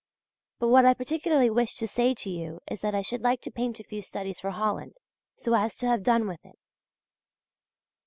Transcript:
But what I particularly wished to say to you is that I should like to paint a few studies for Holland, so as to have done with it.